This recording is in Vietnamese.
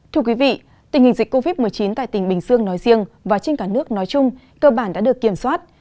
thưa quý vị tình hình dịch covid một mươi chín tại tỉnh bình dương nói riêng và trên cả nước nói chung cơ bản đã được kiểm soát